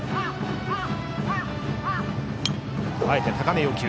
あえて高め要求。